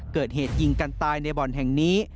เกิดเหตุยิงกันตายในบ่อนแห่งนี้